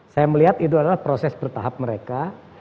saya melihat itu adalah proses bertahap mereka